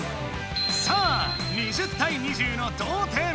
さあ２０たい２０の同点！